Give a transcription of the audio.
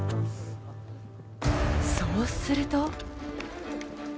そうすると。